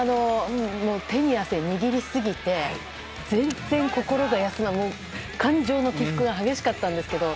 手に汗握りすぎて全然、心が休む間がなくて感情の起伏が激しかったんですけど。